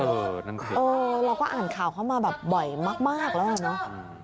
เราก็อ่านข่าวเข้ามาแบบบ่อยมากแล้วอ่ะเนอะ